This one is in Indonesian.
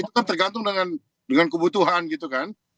itu kan tergantung dengan kebutuhan gitu kan